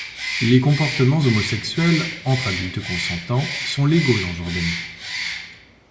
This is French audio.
Les comportements homosexuels entre adultes consentants sont légaux en Jordanie.